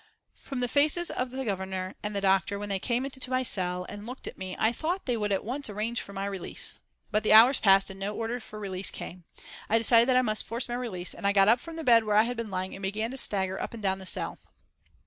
From the faces of the Governor and the doctor when they came into my cell and looked at me I thought that they would at once arrange for my release. But the hours passed and no order for release came. I decided that I must force my release, and I got up from the bed where I had been lying and began to stagger up and down the cell.